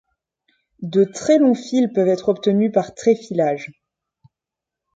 De très longs fils peuvent être obtenus par tréfilage.